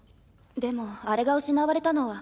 でもあれが失われたのは